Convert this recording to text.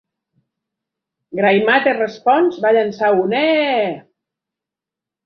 Gray Matter Response va llençar un E!